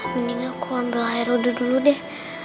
mending aku ambil air oduh dulu deh